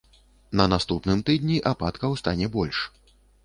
На наступным тыдні ападкаў стане больш.